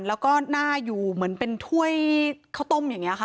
แล้วก็หน้าอยู่เหมือนเป็นถ้วยข้าวต้มอย่างนี้ค่ะ